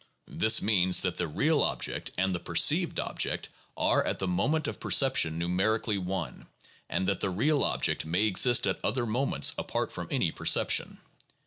This means that the real object and the perceived object are at the moment of perception numerically one, and that the real object may exist at other moments apart from any perception.